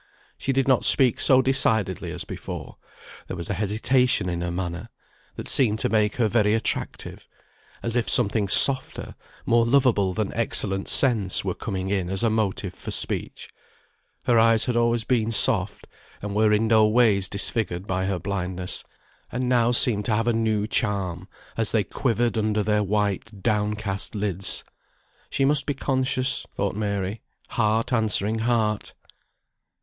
She did not speak so decidedly as before; there was a hesitation in her manner, that seemed to make her very attractive; as if something softer, more loveable than excellent sense, were coming in as a motive for speech; her eyes had always been soft, and were in no ways disfigured by her blindness, and now seemed to have a new charm, as they quivered under their white down cast lids. She must be conscious, thought Mary, heart answering heart.